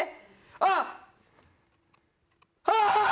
あっ！